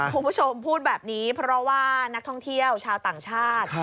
คุณผู้ชมพูดแบบนี้เพราะว่านักท่องเที่ยวชาวต่างชาติ